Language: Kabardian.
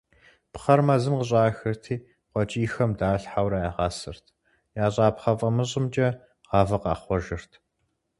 Пхъэр мэзым къыщӏахырти, къуэкӏийхэм далъхьэурэ ягъэсырт, ящӏа пхъэ фӏамыщӏымкӏэ гъавэ къахъуэжырт.